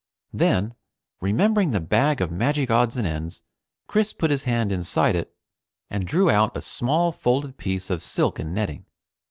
Then, remembering the bag of magic "odds and ends," Chris put his hand inside it and drew out a small folded piece of silk and netting.